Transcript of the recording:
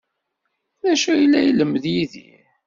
D acu ay la ilemmed Yidir?